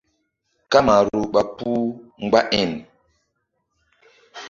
Kamaru ɓa puh mgba iŋ.